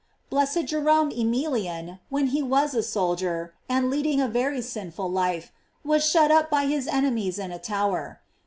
Blessed Jerome Emilian, when he was a soldier, and leading a very sinful life, was shut up by his enemies in a tower.